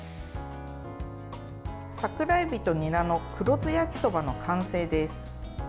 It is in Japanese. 桜えびとにらの黒酢焼きそばの完成です。